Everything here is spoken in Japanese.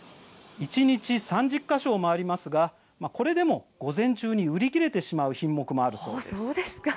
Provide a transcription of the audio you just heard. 一日３０か所を回りますがこれでも午前中に売り切れてしまう品目もあるそうです。